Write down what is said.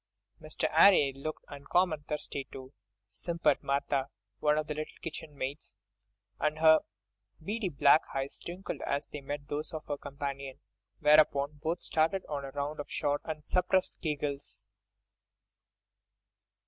"Mr. 'Arry, 'e looked uncommon thirsty too," simpered Martha, one of the little kitchen maids; and her beady black eyes twinkled as they met those of her companion, whereupon both started on a round of short and suppressed giggles.